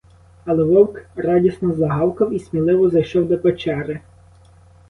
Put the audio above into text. Але вовк радісно загавкав і сміливо зайшов до печери.